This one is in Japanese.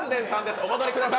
お戻りください。